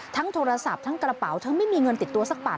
ทั้งโทรศัพท์ทั้งกระเป๋าเธอไม่มีเงินติดตัวสักปาก